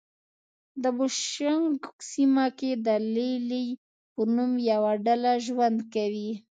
د بوشونګ سیمه کې د لې لې په نوم یوه ډله ژوند کوي.